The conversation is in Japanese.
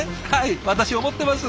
私思ってます。